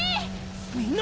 みんな！